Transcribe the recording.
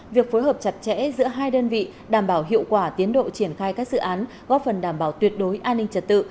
việc phối hợp chặt chẽ giữa hai đơn vị đảm bảo hiệu quả tiến độ triển khai các dự án góp phần đảm bảo tuyệt đối an ninh trật tự